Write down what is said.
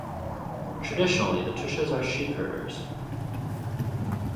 Traditionally, the Tushs are sheep herders.